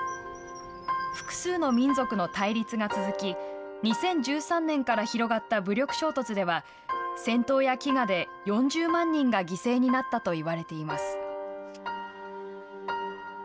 複数の民族の対立が続き２０１３年から広がった武力衝突では戦闘や飢餓で、４０万人が犠牲になったといわれています。